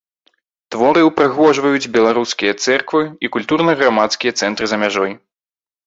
Творы ўпрыгожваюць беларускія цэрквы і культурна-грамадскія цэнтры за мяжой.